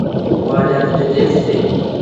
বয়স জানতে চেয়েছে?